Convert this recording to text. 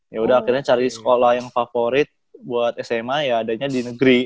ya udah akhirnya cari sekolah yang favorit buat sma ya adanya di negeri